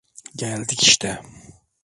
Geldik işte.